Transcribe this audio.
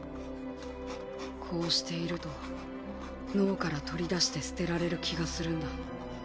こうしていると脳から取り出して捨てられる気がするんだ。